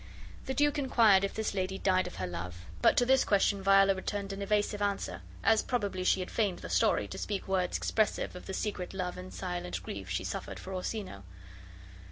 The duke inquired if this lady died of her love, but to this question Viola returned an evasive answer; as probably she had feigned the story, to speak words expressive of the secret love and silent grief she suffered for Orsino.